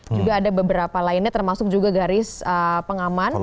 juga ada beberapa lainnya termasuk juga garis pengaman